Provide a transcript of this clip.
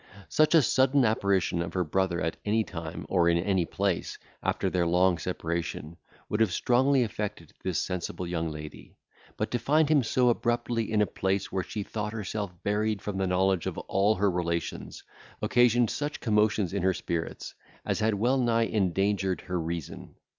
Such a sudden apparition of her brother at any time, or in any place, after their long separation, would have strongly affected this sensible young lady; but to find him so abruptly in a place where she thought herself buried from the knowledge of all her relations, occasioned such commotions in her spirits as had well nigh endangered her reason.